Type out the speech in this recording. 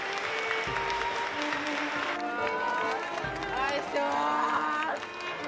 愛してます！